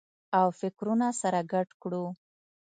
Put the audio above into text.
او فکرونه سره ګډ کړو